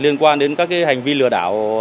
liên quan đến các hành vi lừa đảo